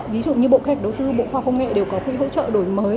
ví dụ như bộ khách đầu tư bộ khoa không nghệ đều có quỹ hỗ trợ đổi mới